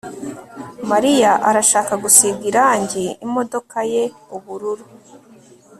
Mariya arashaka gusiga irangi imodoka ye ubururu